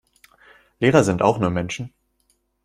Lehrer sind auch nur Menschen.